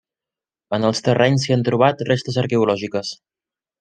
En els terrenys s'hi han trobat restes arqueològiques.